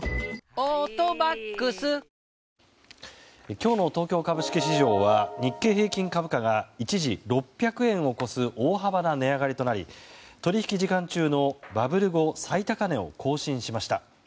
今日の東京株式市場は日経平均株価が一時６００円を超す大幅な値上がりとなり取引時間中のバブル後最高値を更新しました。